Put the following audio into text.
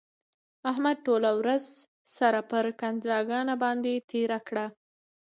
احمد ټوله ورځ سر پر ځنګانه باندې تېره کړه.